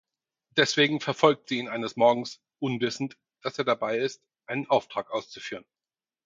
Deswegen verfolgt sie ihn eines Morgens, unwissend, dass er dabei ist, einen Auftrag auszuführen.